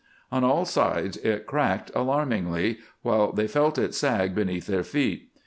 On all sides it cracked alarmingly, while they felt it sag beneath their feet.